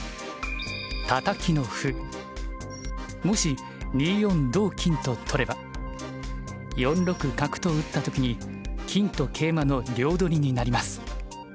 もし２四同金と取れば４六角と打ったときに金と桂馬の両取りになります。